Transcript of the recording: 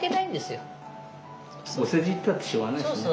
お世辞言ったってしょうがないしね。